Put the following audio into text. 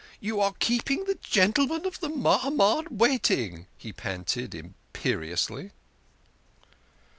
" You are keeping the gentlemen of the Mahamad wait ing," he panted imperiously.